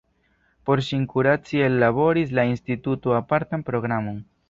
Por ŝin kuraci ellaboris la instituto apartan programon.